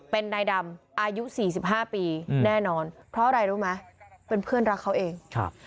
เป็นนายดำอายุสี่สิบห้าปีแน่นอนเพราะอะไรรู้ไหมเป็นเพื่อนรักเขาเองครับ